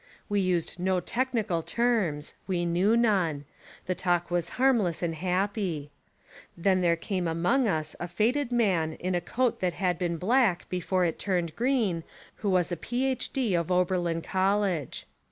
We used no technical terms. We knew none. The talk was harm less and happy. Then there came among us a faded man in a coat that had been black be fore it turned green, who was a Ph.D. of Ober lin College.